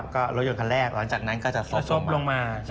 ก็รถยนต์คันแรกหลังจากนั้นก็จะซบลงมา